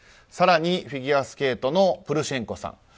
更にフィギュアスケートのプルシェンコさん。